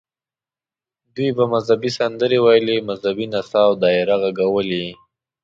دوی به مذهبي سندرې ویلې، مذهبي نڅا او دایره غږول یې.